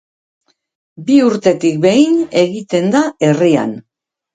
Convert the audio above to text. Bi urtetik behin egiten da herrian.